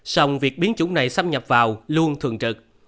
song việc biến chủng này xâm nhập vào luôn thường trực